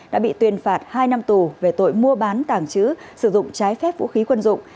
đã bị tuyên phạt hai năm tù về tội mua bán tàng trữ sử dụng trái phép vũ khí quân dụng